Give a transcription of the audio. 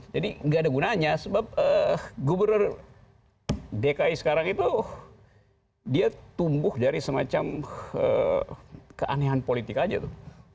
jadi nggak ada gunanya sebab gubernur dki sekarang itu dia tumbuh dari semacam keanehan politik aja tuh